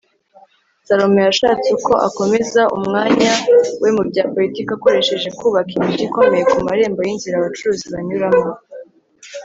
salomo yashatse uko akomeza umwanya we mu bya politiki akoresheje kubaka imijyi ikomeye ku marembo y'inzira abacuruzi banyuramo